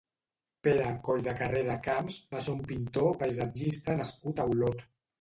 Pere Colldecarrera Camps va ser un pintor paisatgista nascut a Olot.